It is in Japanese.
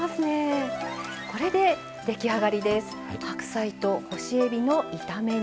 これで出来上がりです。